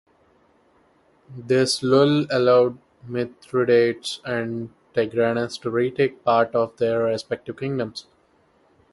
This lull allowed Mithridates and Tigranes to retake part of their respective kingdoms.